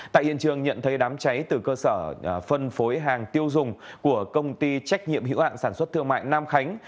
tại hiện trường nhận thấy đám cháy từ cơ sở phân phối hàng tiêu dùng của công ty trách nhiệm hữu hạn sản xuất thương mại nam khánh